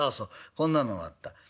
こんなのもあった。